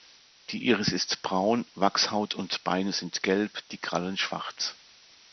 Die Iris ist braun, Wachshaut und Beine sind gelb, die Krallen schwarz.